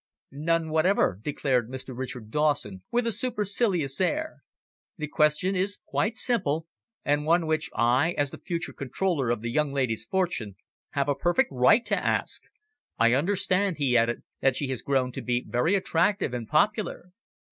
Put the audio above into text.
"None whatever," declared Mr. Richard Dawson, with a supercilious air. "The question is quite simple, and one which I, as the future controller of the young lady's fortune, have a perfect right to ask. I understand," he added, "that she has grown to be very attractive and popular."